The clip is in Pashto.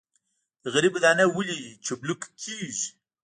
د غنمو دانه ولې چملک کیږي؟